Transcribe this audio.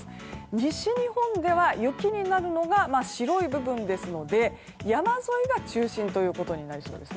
西日本では、雪になるのが白い部分ですので山沿いが中心ということになりそうです。